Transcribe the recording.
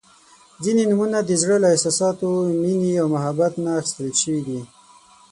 • ځینې نومونه د زړۀ له احساساتو، مینې او محبت نه اخیستل شوي دي.